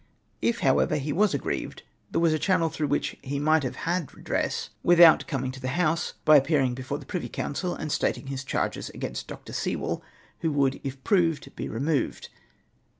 If, however, he was aggrieved, there was a channel through which lie might have had redress, without coming to the House, by appearing before the Privy Council, and stating his charges against Dr. Sewell, who would, if proved, be re moved.